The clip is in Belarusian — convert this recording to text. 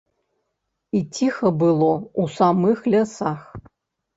І ціха было ў самых лясах.